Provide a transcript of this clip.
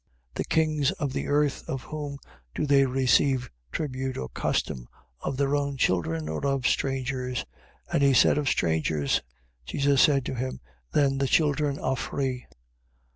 The kings of the earth, of whom do they receive tribute or custom, of their own children, or of strangers? 17:25. And he said: Of strangers. Jesus said to him: Then the children are free.